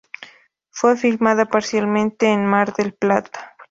Fue filmada parcialmente en Mar del Plata.